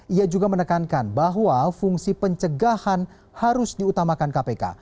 ia juga menekankan bahwa fungsi pencegahan harus diutamakan kpk